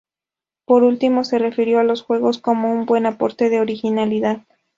Por último se refirió a los juegos como un buen aporte de originalidad.